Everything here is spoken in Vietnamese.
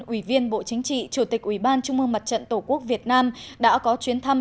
ủy viên bộ chính trị chủ tịch ủy ban trung mương mặt trận tổ quốc việt nam đã có chuyến thăm